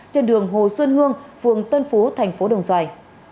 trên đường hồ xuân hương phường tân phú thành phố đồng xoài